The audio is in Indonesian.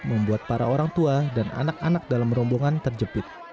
membuat para orang tua dan anak anak dalam rombongan terjepit